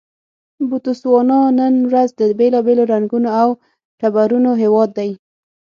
بوتسوانا نن ورځ د بېلابېلو رنګونو او ټبرونو هېواد دی.